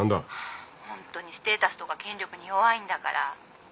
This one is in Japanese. ☎ハァホントにステータスとか権力に弱いんだから。